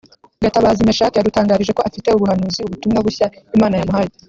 Gatabazi Mechack yadutangarije ko afite ubuhanuzi/ubutumwa bushya Imana yamuhaye